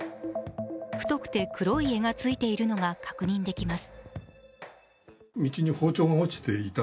太くて黒い柄がついているのが確認できます。